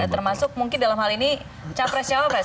termasuk mungkin dalam hal ini capres capres